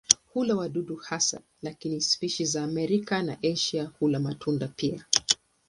Hula wadudu hasa lakini spishi za Amerika na Asia hula matunda pia.